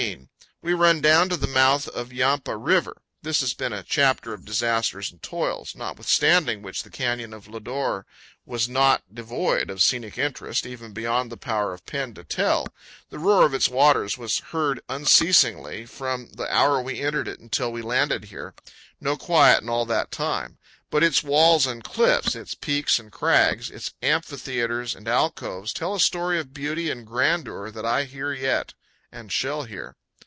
We run down to the mouth of Yampa River. This has been a chapter of disasters and toils, notwithstanding which the Canyon of Lodore was not devoid of scenic interest, even beyond the power 164 powell canyons 111.jpg AN ISOLATED HOUSE AT ZUÑI. THE CANYON OF LODOKE. 165 of pen to tell. The roar of its waters was heard unceasingly from the hour we entered it until we landed here. No quiet in all that time. But its walls and cliffs, its peaks and crags, its amphitheaters and alcoves, tell a story of beauty and grandeur that I hear yet and shall hear.